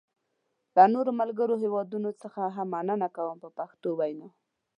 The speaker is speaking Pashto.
له نورو ملګرو هېوادونو څخه هم مننه کوم په پښتو وینا.